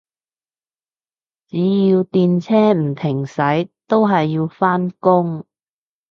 只要電車唔停駛，都係要返工